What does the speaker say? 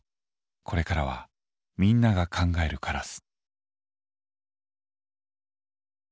これからはみんなが「考えるカラス」。